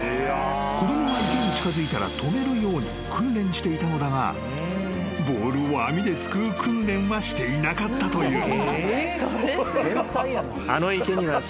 ［子供が池に近づいたら止めるように訓練していたのだがボールを網ですくう訓練はしていなかったという］